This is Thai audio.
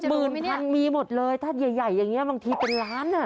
หมื่นพันมีหมดเลยถ้าใหญ่อย่างนี้บางทีเป็นล้านอ่ะ